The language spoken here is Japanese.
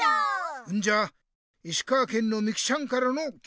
んじゃ石川県のみきちゃんからのぎもんだ。